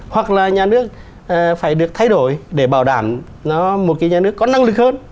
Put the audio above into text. hoặc là nhà nước phải được thay đổi để bảo đảm nó một cái nhà nước có năng lực hơn